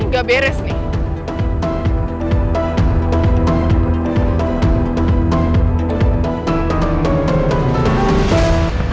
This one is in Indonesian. nggak beres nih